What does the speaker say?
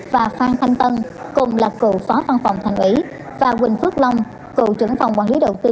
và phan thanh tân cùng là cựu phó văn phòng thành ủy và quỳnh phước long cựu trưởng phòng quản lý đầu tư